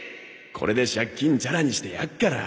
これで借金チャラにしてやっから。